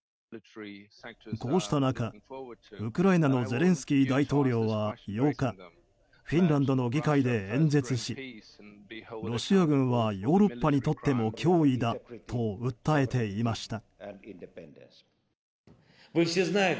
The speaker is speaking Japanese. こうした中、ウクライナのゼレンスキー大統領は８日フィンランドの議会で演説しロシア軍はヨーロッパにとっても脅威だと訴えていました。